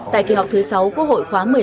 tại kỳ họp thứ sáu quốc hội khóa một mươi năm